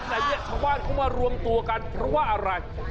แต่เนี่ยชาวบ้านเขามารวมตัวกันเพราะว่าอะไร